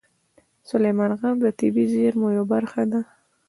سلیمان غر د طبیعي زیرمو یوه برخه ده.